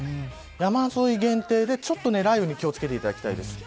山沿限定で、ちょっと雷雨に気を付けていただきたいです。